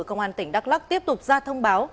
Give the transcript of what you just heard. công an tỉnh đắk lắc tiếp tục ra thông báo